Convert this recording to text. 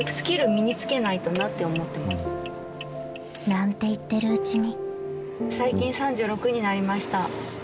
［なんて言ってるうちに］